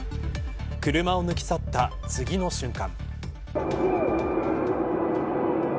車を抜き去った次の瞬間。